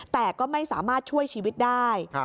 แต่ก็ไม่สามารถช่วยชีวิตได้